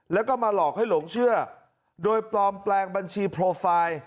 แล้วก็มาหลอกให้หลงเชื่อโดยปลอมแปลงบัญชีโปรไฟล์